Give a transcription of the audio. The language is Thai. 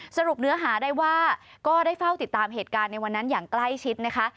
สรุปเนื้อหาได้ว่าก็ได้เฝ้าติดตามเหตุการณ์ในวันนั้นอย่างใกล้ชิดนะคะ